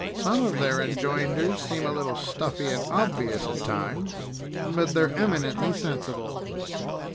"Some of their enjoinders seem a little stuffy and obvious at times, but they're eminently sensible."